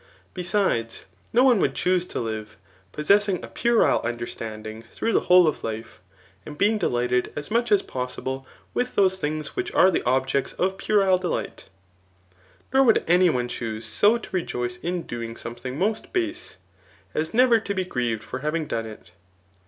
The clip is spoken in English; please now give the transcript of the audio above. Besides, no one would choose to live, possessing a pueille understanding through the whole of life, and being delighted as much as possible with those things which are the objects of puerile delight} nor would any one choose so to rejoice in doing somethmg most base, as never to be grieved for having done it.